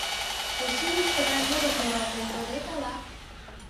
Эше ик тыгай мурым муралтен кодет ала?